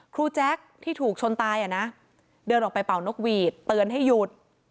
แจ๊คที่ถูกชนตายอ่ะนะเดินออกไปเป่านกหวีดเตือนให้หยุด